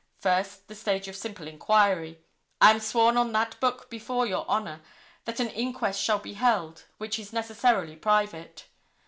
First, the stage of simple inquiry. I am sworn on that book before Your Honor that an inquest shall be held, which is necessarily private.